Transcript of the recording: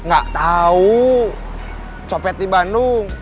maaf baik banyak